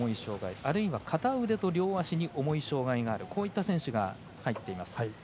あるいは片腕と両足に重い障害がある選手が入っています。